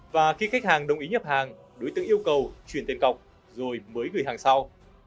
và khi khách hàng đồng ý nhập hàng đối tượng yêu cầu chuyển tiền cọc rồi mới gửi hàng sau